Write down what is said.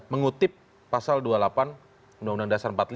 mengutip pasal dua puluh delapan undang undang dasar empat puluh lima